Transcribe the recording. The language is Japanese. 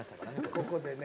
ここでね。